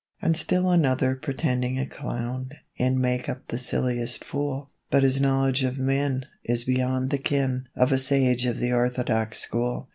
And still another pretending a clown, In make up the silliest Fool, But his knowledge of men, Is beyond the ken Of a sage of the orthodox school.